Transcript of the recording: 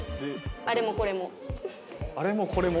「あれもこれも」？